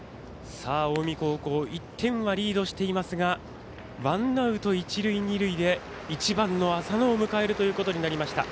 近江高校１点はリードしていますがワンアウト、一塁二塁で１番の浅野を迎えるということになりました。